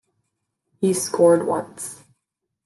He scored once.